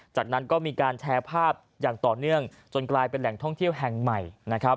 จากนั้นก็มีการแชร์ภาพอย่างต่อเนื่องจนกลายเป็นแหล่งท่องเที่ยวแห่งใหม่นะครับ